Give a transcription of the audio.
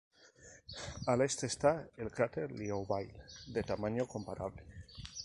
Al este está el cráter Liouville, de tamaño comparable.